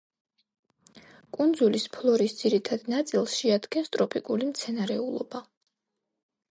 კუნძულის ფლორის ძირითად ნაწილს შეადგენს ტროპიკული მცენარეულობა.